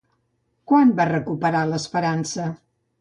Quan va recuperar l'esperança?